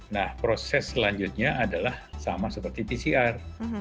nah proses selanjutnya adalah sama seperti pcr